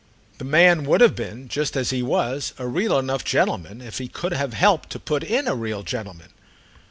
The man would have been, just as he was, a real enough gentleman if he could have helped to put in a real gentleman.